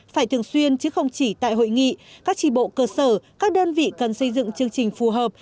phải thường xuyên chứ không chỉ tại hội nghị các tri bộ cơ sở các đơn vị cần xây dựng chương trình phù hợp